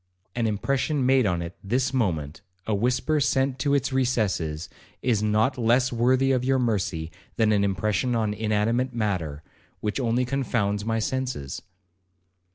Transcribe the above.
An impression made on it this moment, a whisper sent to its recesses, is not less worthy of your mercy than an impression on inanimate matter, which only confounds my senses.'